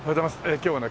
今日はね